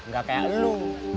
gak kayak lu